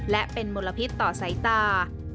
และเป็นมลพิษต่อสายตา